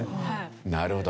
なるほど。